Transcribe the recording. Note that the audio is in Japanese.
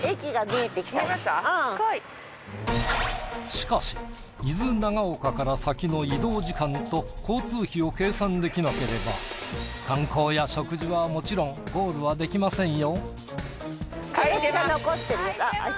しかし伊豆長岡から先の移動時間と交通費を計算できなければ観光や食事はもちろんゴールはできませんよ。